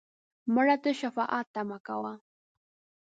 مړه ته د شفاعت تمه کوو